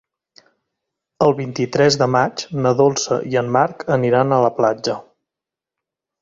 El vint-i-tres de maig na Dolça i en Marc aniran a la platja.